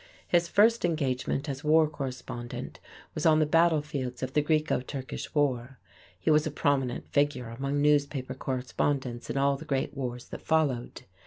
His first engagement as war correspondent was on the battlefields of the Greco Turkish War. He was a prominent figure among newspaper correspondents in all the great wars that followed.